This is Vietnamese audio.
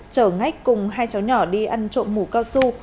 chở ngách cùng hai cháu nhỏ đi ăn trộm mũ cao su